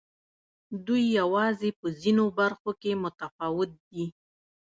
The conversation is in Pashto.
دوی یوازې په ځینو برخو کې متفاوت دي.